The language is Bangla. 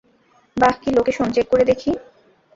বাহ কি লোকেশন, চেক করে দেখি।